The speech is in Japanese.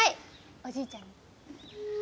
おじいちゃんに。